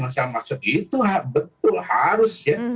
saya maksud itu betul harus ya